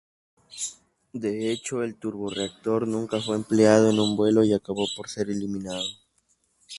De hecho el turborreactor nunca fue empleado en vuelo y acabó por ser eliminado.